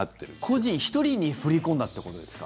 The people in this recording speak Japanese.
個人１人に振り込んだということですか？